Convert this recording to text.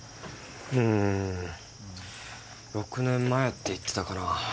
うん６年前って言ってたかな